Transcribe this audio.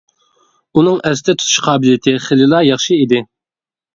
ئۇنىڭ ئەستە تۇتۇش قابىلىيىتى خېلىلا ياخشى ئىدى.